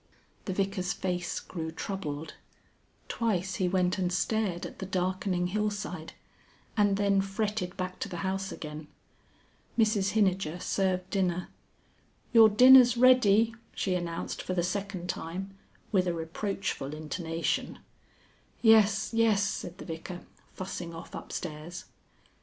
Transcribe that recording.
The Vicar's face grew troubled; twice he went and stared at the darkening hillside, and then fretted back to the house again. Mrs Hinijer served dinner. "Your dinner's ready," she announced for the second time, with a reproachful intonation. "Yes, yes," said the Vicar, fussing off upstairs.